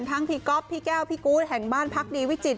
พี่ก๊อฟพี่แก้วพี่กูธแห่งบ้านพักดีวิจิต